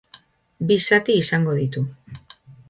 Bi zati izango ditu.